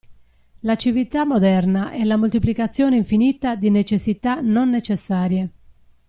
La civiltà moderna è la moltiplicazione infinita di necessità non necessarie.